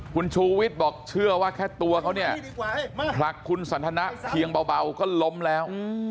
คุณชูวิทย์บอกเชื่อว่าแค่ตัวเขาเนี่ยผลักคุณสันทนะเพียงเบาก็ล้มแล้ว